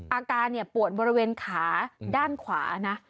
อาการปวดบริเวณขาด้านขวานะ